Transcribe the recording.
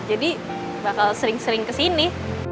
bakal sering sering kesini